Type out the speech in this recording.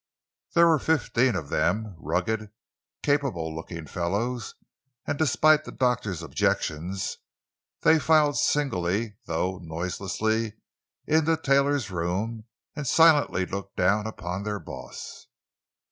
There were fifteen of them, rugged, capable looking fellows; and despite the doctor's objections, they filed singly, though noiselessly, into Taylor's room and silently looked down upon their "boss."